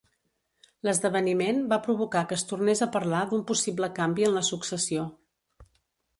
L'esdeveniment va provocar que es tornés a parlar d'un possible canvi en la successió.